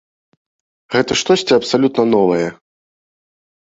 Гэта штосьці абсалютна новае.